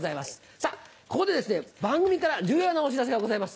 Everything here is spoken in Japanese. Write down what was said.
さあ、ここで番組から重要なお知らせがございます。